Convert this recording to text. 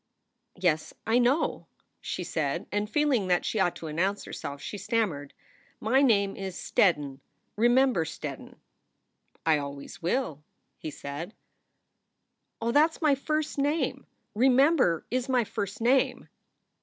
"Yes, I know," she said, and, feeling that she ought to announce herself, she stammered, "My name is Steddon, Remember Steddon." "I always will," he said. "Oh, that s my first name! Remember is my first name."